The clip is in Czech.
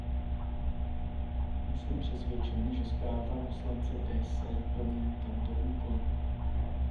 Jsem přesvědčen, že zpráva poslance Desse plní tento úkol.